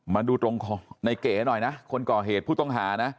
มาดูตรงในเก๋หน่อยนะคนก่อเหตุผู้ต้องหานะ